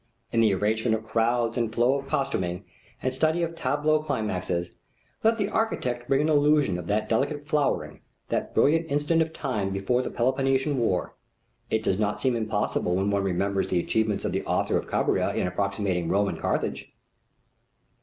In the arrangement of crowds and flow of costuming and study of tableau climaxes, let the architect bring an illusion of that delicate flowering, that brilliant instant of time before the Peloponnesian war. It does not seem impossible when one remembers the achievements of the author of Cabiria in approximating Rome and Carthage.